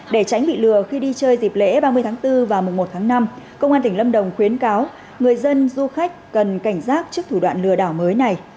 để tránh bị lừa khi đi chơi dịp lễ ba mươi tháng bốn và mùa một tháng năm công an tỉnh lâm đồng khuyến cáo người dân du khách cần cảnh giác trước thủ đoạn lừa đảo mới này